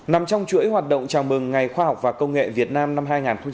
nằm trong chuỗi hoạt động chào mừng ngày khoa học và công nghệ việt nam năm hai nghìn hai mươi